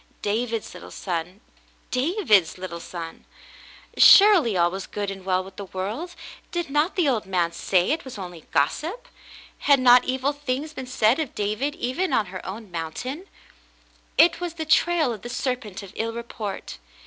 David's little son — David's little son ! Surely all was good and well with the world ! Did not the old man say it was only gossip ? Had not evil things been said of David even on her own mountain ? It was the trail of the serpent of ill report.